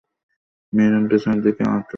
Myron, পেছনের দিকে আলোটা জ্বালো!